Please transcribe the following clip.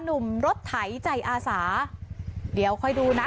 หนุ่มรถไถใจอาสาเดี๋ยวค่อยดูนะ